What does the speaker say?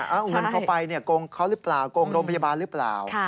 เอาเงินเข้าไปโกงเขาหรือเปล่าโกงโรงพยาบาลหรือเปล่า